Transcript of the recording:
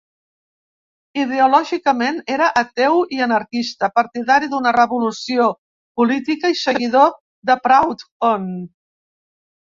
Ideològicament, era ateu i anarquista, partidari d'una revolució política i seguidor de Proudhon.